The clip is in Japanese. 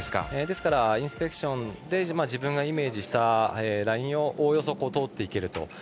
ですから、インスペクションで自分がイメージしたラインをおおよそ通っていけると。